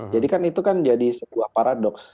jadi kan itu kan jadi sebuah paradoks